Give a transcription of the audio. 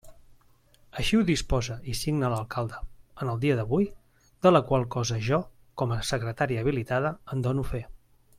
Així ho disposa i signa l'alcalde, en el dia d'avui, de la qual cosa jo, com a secretària habilitada, en dono fe.